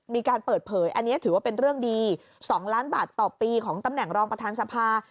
มีการเปิดเผยอันนี้ถือว่าเป็นเรื่องดี๒ล้านบาทต่อปีของตำแหน่งรองประธานสภา